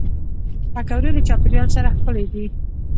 پکورې له چاپېریال سره ښکلي دي